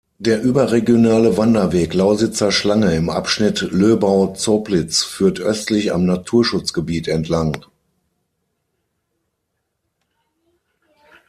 Der überregionale Wanderweg Lausitzer Schlange im Abschnitt Löbau–Zoblitz führt östlich am Naturschutzgebiet entlang.